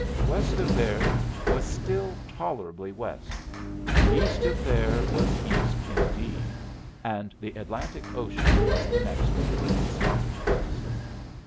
West of there was still tolerably west, but east of there was east indeed, and the Atlantic Ocean was the next important stopping place.